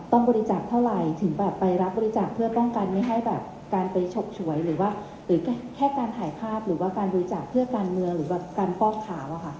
บริจาคเท่าไหร่ถึงแบบไปรับบริจาคเพื่อป้องกันไม่ให้แบบการไปฉกฉวยหรือว่าหรือแค่การถ่ายภาพหรือว่าการบริจาคเพื่อการเมืองหรือแบบการฟอกขาวอะค่ะ